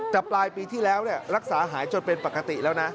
แต่ปลายปีที่แล้วรักษาหายจนเป็นปกติแล้วนะ